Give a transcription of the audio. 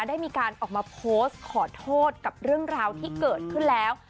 ได้มีการออกมาโพสต์ขอโทษกับเรื่องราวที่เกิดขึ้นแล้ว